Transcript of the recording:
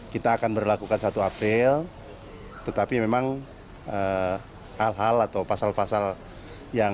kita akan berlakukan satu april tetapi memang hal hal atau pasal pasal yang